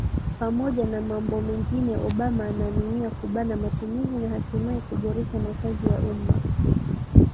pamoja na mambo mengine obama ananuia kubana matumizi na hatimaye kuboresha makazi ya umma